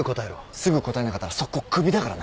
すぐ答えなかったら即行首だからな。